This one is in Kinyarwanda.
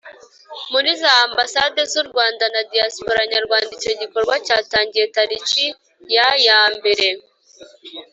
Muri za ambasade z u rwanda na diaspora nyarwanda icyo gikorwa cyatangiye tariki ya ya mbere